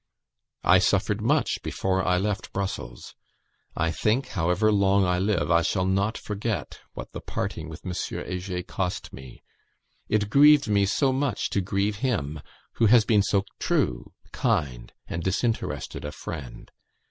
"I suffered much before I left Brussels. I think, however long I live, I shall not forget what the parting with M. Heger cost me. It grieved me so much to grieve him who has been so true, kind, and disinterested a friend.